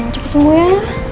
cepet nunggu ya